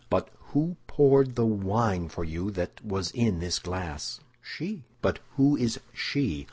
"But who poured the wine for you that was in this glass?" "She." "But who is _she?